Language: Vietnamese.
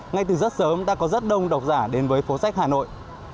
ngay từ rất sớm đã có rất đông đọc giả đến với phố sách hà nội